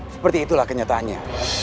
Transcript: seperti itulah kenyataannya